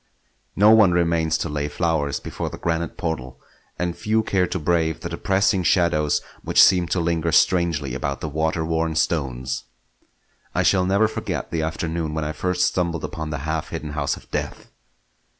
No one remains to lay flowers before the granite portal, and few care to brave the depressing shadows which seem to linger strangely about the water worn stones. I shall never forget the afternoon when first I stumbled upon the half hidden house of death.